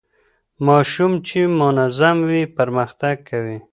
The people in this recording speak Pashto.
ماشوم چي منظم وي پرمختګ کوي.